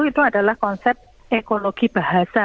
itu adalah konsep ekologi bahasa